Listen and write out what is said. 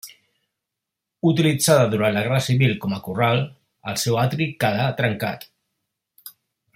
Utilitzada durant la guerra civil com a corral, el seu atri quedà trencat.